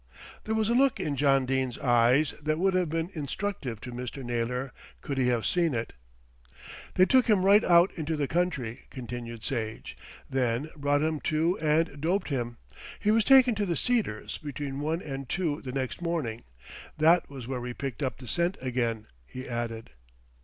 There was a look in John Dene's eyes that would have been instructive to Mr. Naylor could he have seen it. "They took him right out into the country," continued Sage, "then brought him to and doped him. He was taken to 'The Cedars' between one and two the next morning. That was where we picked up the scent again," he added.